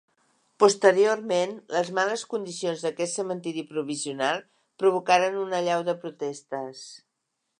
Posteriorment, les males condicions d’aquest cementeri provisional provocaren una allau de protestes.